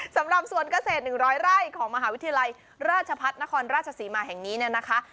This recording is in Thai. สำหรับสวนเกษตร๑๐๐ไร่ของมหาวิทยาลัยราชพัฒนครราชศรีมาแห่งนี้เนี่ยนะคะ